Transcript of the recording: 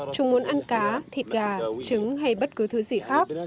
chúng muốn ăn cá thịt gà trứng hay bất cứ thứ gì khác